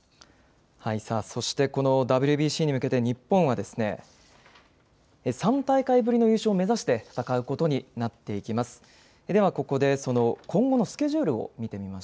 そして、このＷＢＣに向けて日本は、３大会ぶりの優勝を目指して戦うことになっていきます。